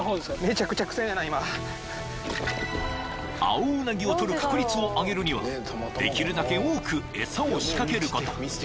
［青うなぎを捕る確率を上げるにはできるだけ多く餌を仕掛けること］